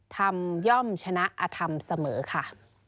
ธรรมย่อมชนะอธรรมเสมอค่ะ